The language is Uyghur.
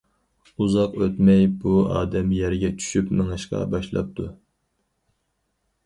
ئۇزاق ئۆتمەي بۇ ئادەم يەرگە چۈشۈپ مېڭىشقا باشلاپتۇ.